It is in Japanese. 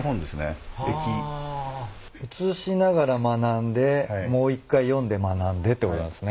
写しながら学んでもう一回読んで学んでってことなんですね。